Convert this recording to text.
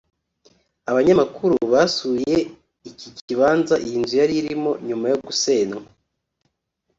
Abanyamakuru basuye iki kibanza iyi nzu yari irimo nyuma yo gusenywa